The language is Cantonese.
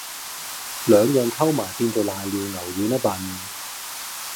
兩樣溝埋變做攋尿牛丸吖笨